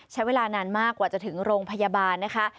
ใช้เวลานานมากกว่าจะถึงโรงพยาบาลนะคะ